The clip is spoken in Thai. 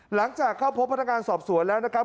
หลังจากเข้าพบพนักงานสอบสวนแล้วนะครับ